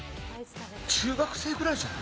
中学生ぐらいじゃない？